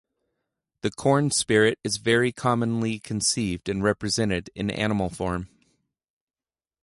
The corn spirit is very commonly conceived and represented in animal form.